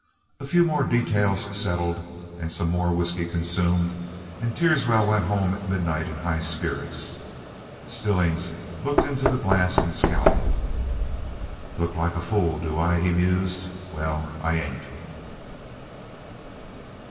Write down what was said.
A few more details settled, and some more whiskey consumed, and Teerswell went home at midnight in high spirits. Stillings looked into the glass and scowled. "Look like a fool, do I?" he mused. "Well, I ain't!"